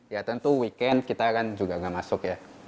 ya tentu weekend kita kan juga nggak masuk ya